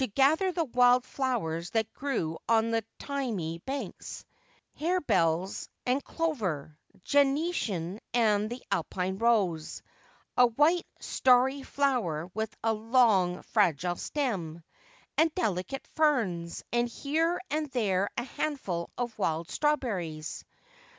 gather the wild flowers that grew on the thymy banks — hare bells, and clover, gentian, and the Alpine rose, a white starry flower with a long fragile stem, and delicate ferns, and here and there a handful of wild strawberries.